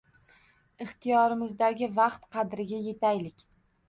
Ixtiyorimizdagi vaqt qadriga yetaylik.